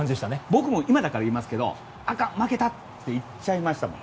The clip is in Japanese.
僕も、今だから言いますけどあかん、負けた！って言っちゃいましたもん。